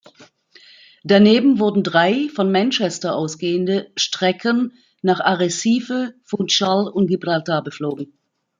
Daneben wurden drei von Manchester ausgehende Strecken nach Arrecife, Funchal und Gibraltar beflogen.